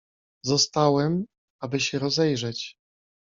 "Zostałem, aby się rozejrzeć."